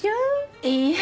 いいえ。